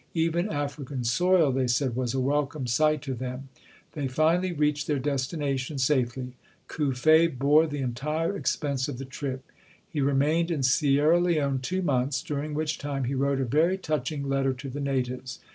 Even African soil, they said, was a welcome sight PAUL CUFFE [259 to them. They finally reached their destination safely. Cuffe bore the entire expense of the trip. He remained in Sierra Leone two months, dur ing which time he wrote a very touching letter to the natives.